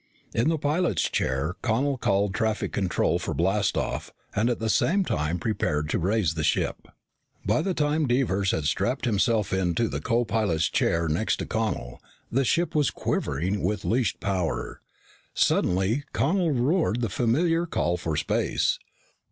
In the pilot's chair, Connel called traffic control for blast off, and at the same time prepared to raise ship. By the time Devers had strapped himself into the copilot's chair next to Connel, the ship was quivering with leashed power. Suddenly Connel roared the familiar call for space.